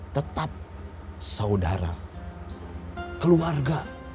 tetap saudara keluarga